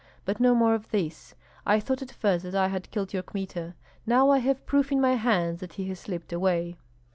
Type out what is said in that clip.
But no more of this! I thought at first that I had killed your Kmita; now I have proof in my hands that he has slipped away."